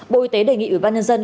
bộ y tế đề nghị ủy ban nhân dân